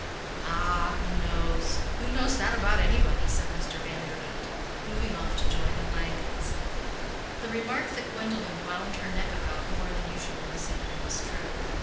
"Ah, who knows? Who knows that about anybody?" said Mr. Vandernoodt, moving off to join the Langens. The remark that Gwendolen wound her neck about more than usual this evening was true.